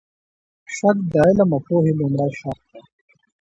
شک د علم او پوهې لومړی شرط دی.